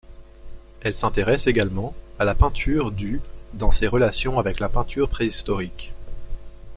Elle s'intéresse également à la peinture du dans ses relations avec la peinture préhistorique.